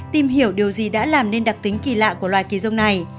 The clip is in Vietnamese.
tìm hiểu điều gì đã làm nên đặc tính kỳ lạ của loài kỳ giống này